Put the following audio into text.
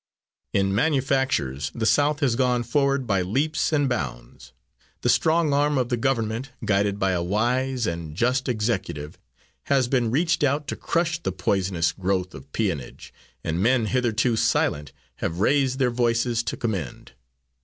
In manufactures the South has gone forward by leaps and bounds. The strong arm of the Government, guided by a wise and just executive, has been reached out to crush the poisonous growth of peonage, and men hitherto silent have raised their voices to commend.